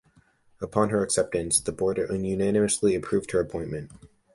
Upon her acceptance, the Board unanimously approved her appointment.